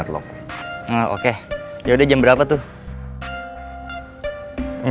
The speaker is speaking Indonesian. atom musuhnya kayak coba performa maritime